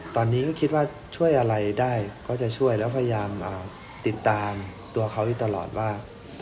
ตอนนี้ก็คิดว่าช่วยอะไรได้ก็จะช่วยแล้วพยายามติดตามตัวเขาอยู่ตลอดว่า